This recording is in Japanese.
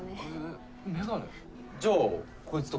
じゃあこいつとか？